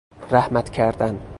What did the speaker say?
رحمت کردن